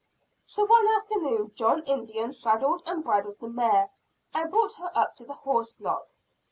So one afternoon John Indian saddled and bridled the mare, and brought her up to the horse block.